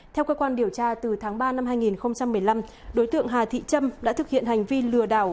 theo cơ quan điều tra từ tháng ba năm hai nghìn một mươi năm đối tượng hà thị trâm đã thực hiện hành vi lừa đảo